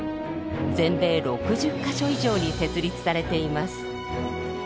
全米６０か所以上に設立されています。